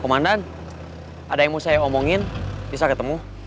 komandan ada yang mau saya omongin bisa ketemu